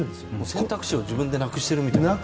選択肢を自分でなくしてるみたいな。